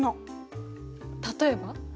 例えば？